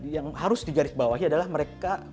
yang harus digarisbawahi adalah mereka